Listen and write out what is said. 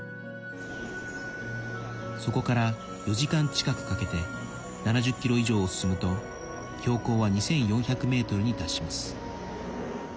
そこから４時間近くかけて７０ｋｍ以上を進むと標高は２４００ｍに達します。